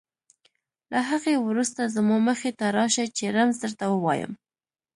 له هغې وروسته زما مخې ته راشه چې رمز درته ووایم.